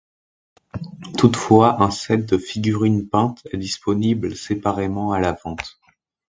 Toutefois, un set de figurines peintes est disponible séparément à la vente.